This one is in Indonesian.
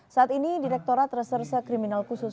saat ini direkturat reserse kriminal khusus